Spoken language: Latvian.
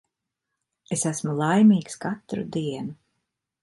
Es esmu laimīgs katru dienu.